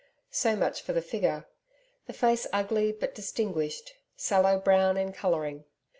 So much for the figure. The face ugly, but distinguished, sallow brown in colouring.